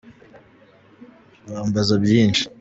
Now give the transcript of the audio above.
Bambaza byinshi